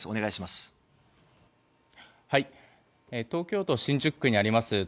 東京都新宿区にあります